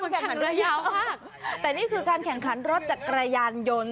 ห้ะแต่นี่คือการแข่งคันรถจากกรยายารยนต์